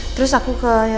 terus aku ke